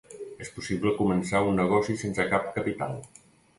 És possible començar un negoci sense cap capital.